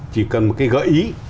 chỉ cần một cái gợi ý